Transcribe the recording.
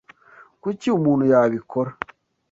Kuki umuntu yabikora?